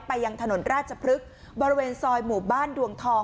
ยังถนนราชพฤกษ์บริเวณซอยหมู่บ้านดวงทอง